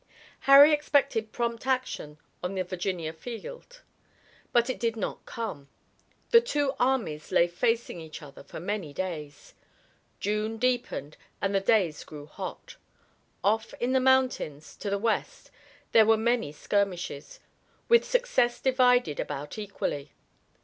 Harry expected prompt action on the Virginia field, but it did not come. The two armies lay facing each other for many days. June deepened and the days grew hot. Off in the mountains to the west there were many skirmishes, with success divided about equally.